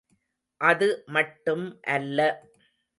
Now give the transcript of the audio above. அது மட்டும் அல்ல.